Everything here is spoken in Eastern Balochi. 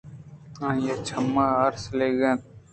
آئی ءِ چم ارسیگ اِت اَنت